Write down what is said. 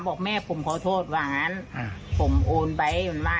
บอกแม่ผมขอโทษว่างั้นผมโอนไปอยู่ในบ้าน